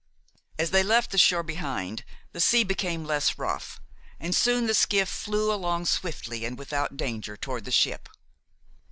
As they left the shore behind, the sea became less rough, and soon the skiff flew along swiftly and without danger toward the ship.